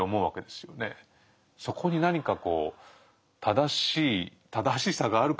そこに何かこう正しい正しさがあるかっていったら